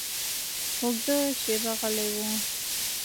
اوږده شېبه غلی و.